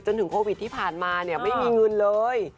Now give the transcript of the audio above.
จนถึงโควิดที่ผ่านมาไม่มีเงินเลย